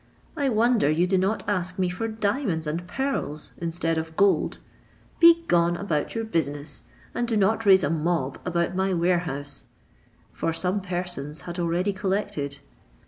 I wonder you do not ask me for diamonds and pearls instead of gold; be gone about your business, and do not raise a mob about my warehouse;" for some persons had already collected.